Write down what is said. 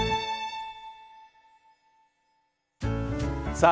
さあ